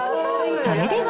それでは。